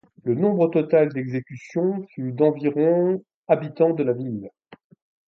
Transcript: Le nombre total d'exécutions fut d'environ habitants de la ville.